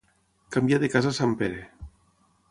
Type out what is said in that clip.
Canviar de casa sant Pere.